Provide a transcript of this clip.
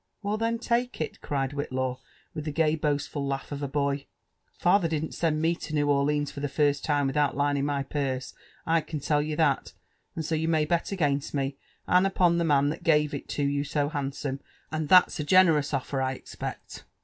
''* Well, then, take it," cried Whillaw, with the gay boastful kugh of a boy ; ''father didn't send me to New OrMns for the first tlmn without lining my purso, I can fell you that ; and so you may bet against me, and upon the maii that gave it to you so handsome ^aqd Hiat's a geAerous olTer, I expect."